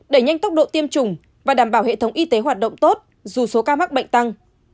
đẩy nhanh tốc độ tiêm chủng và đảm bảo hệ thống y tế hoạt động tốt dù số ca mắc bệnh tăng